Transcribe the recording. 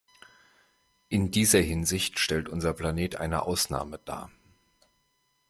In dieser Hinsicht stellt unser Planet eine Ausnahme dar.